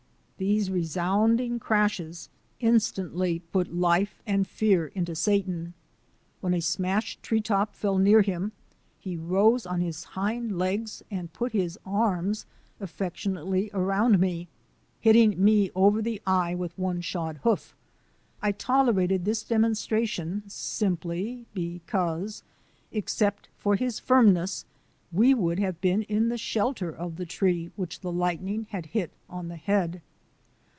These resounding crashes instantly put life and fear into Satan. When a smashed tree top fell near him he rose on his hind legs and put his arms affection ately around me, hitting me over the eye with one shod hoof. I tolerated this demonstration simply because except for his firmness we would have been in the shelter of the tree which the lightning had hit on the head.